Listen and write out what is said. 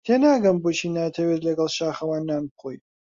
تێناگەم بۆچی ناتەوێت لەگەڵ شاخەوان نان بخۆیت.